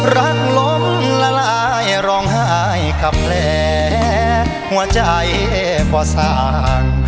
รักล้มละลายร้องหายขับแหลหัวใจป่าสาง